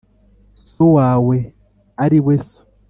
so wawe: ari we so